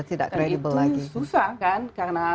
itu susah kan karena